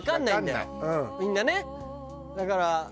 だから。